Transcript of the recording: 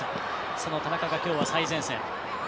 その田中がきょうは最前線。